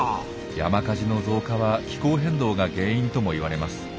山火事の増加は気候変動が原因ともいわれます。